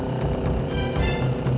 aku juga keliatan jalan sama si neng manis